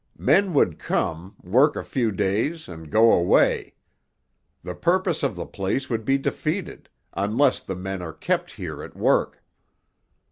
Men would come, work a few days, and go away. The purpose of the place would be defeated—unless the men are kept here at work.